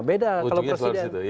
beda kalau presiden